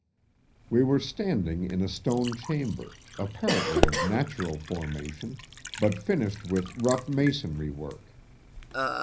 We were standing in a stone chamber, apparently of natural formation, but finished with rough masonry work.